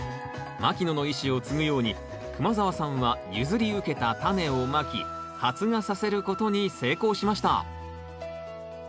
牧野の遺志を継ぐように熊澤さんは譲り受けたタネをまき発芽させることに成功しました。